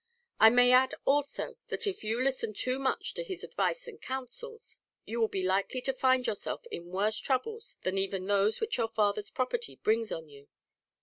I may add also that if you listen too much to his advice and counsels, you will be likely to find yourself in worse troubles than even those which your father's property brings on you."